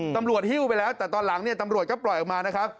หิ้วไปแล้วแต่ตอนหลังเนี่ยตำรวจก็ปล่อยออกมานะครับ